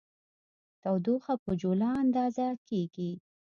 تودوخه په جولا اندازه کېږي.